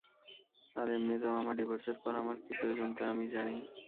আর এমনেতেও, আমার ডিভোর্সের পর আমার কী প্রয়োজন তা আমি জানি।